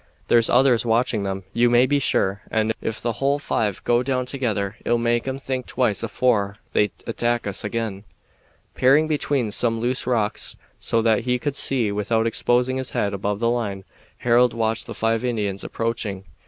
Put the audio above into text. There's others watching 'em, you may be sure, and ef the whole five go down together, it'll make 'em think twice afore they attack us again." Peering between some loose rocks, so that he could see without exposing his head above the line, Harold watched the five Indians approaching.